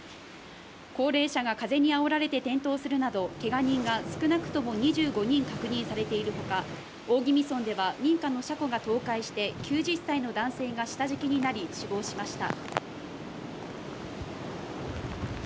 高齢者が風にあおられて転倒するなどけが人が少なくとも２５人確認されているほか大宜味村では民家の車庫が倒壊して９０歳の男性が下敷きになり、死亡しました。